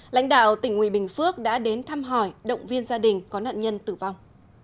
lãnh đạo tỉnh nguy bình phước đã đến thăm hỏi động viên gia đình có nạn nhân tử vong